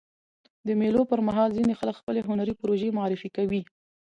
د مېلو پر مهال ځيني خلک خپلي هنري پروژې معرفي کوي.